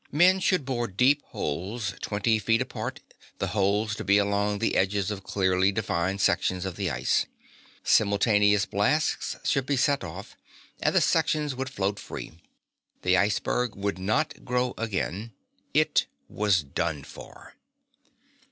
Men should bore deep holes twenty feet apart, the holes to be along the edges of clearly defined sections of the ice. Simultaneous blasts should be set off, and the sections would float free. The iceberg would not grow again. It was done for.